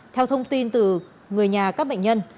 theo thông tin từ người nhà các bệnh nhân